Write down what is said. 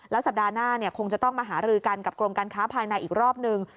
สัปดาห์หน้าคงจะต้องมาหารือกันกับกรมการค้าภายในอีกรอบนึง